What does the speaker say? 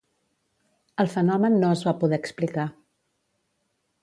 El fenomen no es va poder explicar.